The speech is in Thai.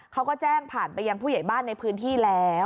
เขาก็แจ้งผ่านไปยังผู้ใหญ่บ้านในพื้นที่แล้ว